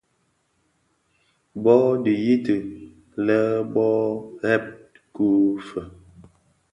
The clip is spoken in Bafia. Bō dhi di yiti lè bō ghèbku fe?